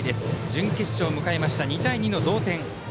準決勝を迎えました２対２の同点。